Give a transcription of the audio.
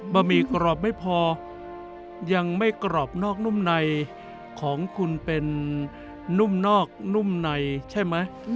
หมี่กรอบไม่พอยังไม่กรอบนอกนุ่มในของคุณเป็นนุ่มนอกนุ่มในใช่ไหม